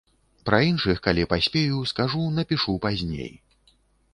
Пра іншых, калі паспею, скажу, напішу пазней.